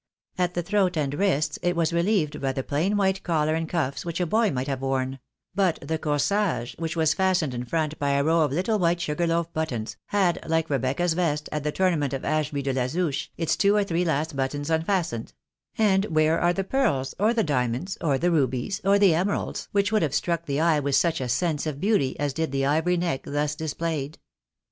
At the throat and wrists it was reheved by the plain white collar and cuffs which a boy might have worn ; but the corsage, which was fastened in front by a row of httle white sugar loaf buttons, had, Uke Rebecca's vest, at the tournament of Ashby de la Zouche, its two or three last buttons unfastened ; and where are the pearls, or the diamonds, or the rubies, or the emeralds, which would have struck the eye with such a sense of beauty as did the ivory neck thus dis played